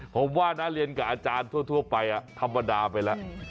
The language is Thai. ผมว่านะเรียนกับอาจารย์ทั่วไปธรรมดาไปแล้ว